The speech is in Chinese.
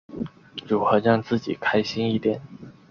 如何让自己开心一点？